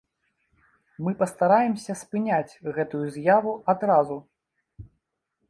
Мы пастараемся спыняць гэтую з'яву адразу.